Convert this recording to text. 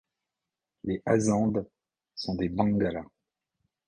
Les Azande sont des Bangalas.